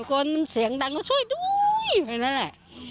ตะโกนเสียงดังระวังช่วยด้วยแบบนั้นแหละ